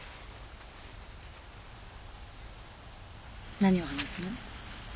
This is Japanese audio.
何を話すの？